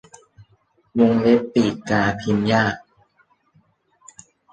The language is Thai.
วงเล็บปีกกาพิมพ์ยาก